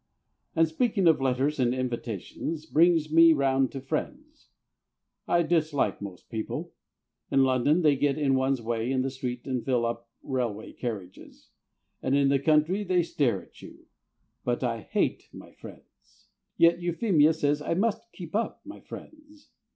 And speaking of letters and invitations brings me round to friends. I dislike most people; in London they get in one's way in the street and fill up railway carriages, and in the country they stare at you but I hate my friends. Yet Euphemia says I must "keep up" my friends.